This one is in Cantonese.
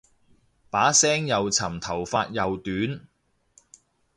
把聲又沉頭髮又短